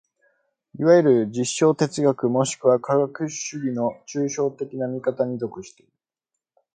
いわゆる実証哲学もしくは科学主義の抽象的な見方に属している。